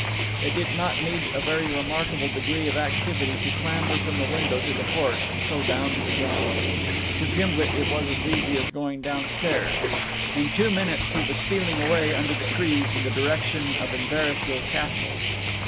It did not need a very remarkable degree of activity to clamber from the window to the porch, and so down to the ground. To Gimblet it was as easy as going downstairs. In two minutes he was stealing away under the trees in the direction of Inverashiel Castle.